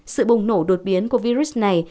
sự bùng nổ đột biến của virus này